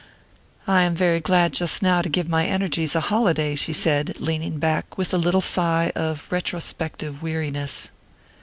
"I am very glad, just now, to give my energies a holiday," she said, leaning back with a little sigh of retrospective weariness.